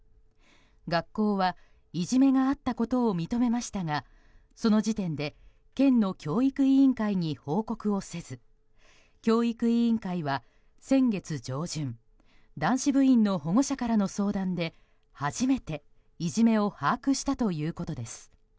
学校は、いじめがあったことを認めましたがその時点で県の教育委員会に報告をせず教育委員会は先月上旬男子部員の保護者からの相談で初めて、いじめを把握したということです。